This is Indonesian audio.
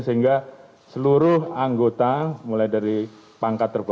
sehingga seluruh anggota mulai dari pangkat terbaik